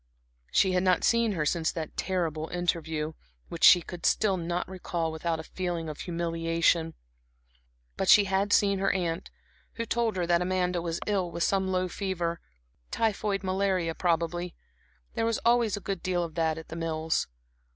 She had not seen her since that terrible interview, which she still could not recall without a feeling of humiliation; but she had seen her aunt, who told her that Amanda was ill with some low fever typhoid malaria, probably; there was always a good deal of that at The Mills.